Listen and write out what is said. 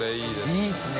いいですね。